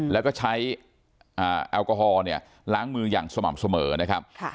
แล้วก็ใช้แอลกอฮอลเนี่ยล้างมืออย่างสม่ำเสมอนะครับ